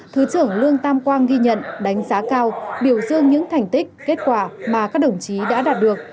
thứ trưởng lương tam quang ghi nhận đánh giá cao biểu dương những thành tích kết quả mà các đồng chí đã đạt được